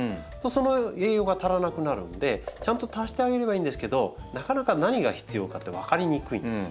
その栄養が足らなくなるんでちゃんと足してあげればいいんですけどなかなか何が必要かって分かりにくいんです。